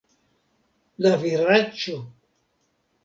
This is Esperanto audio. la viraĉo!